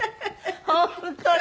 本当に？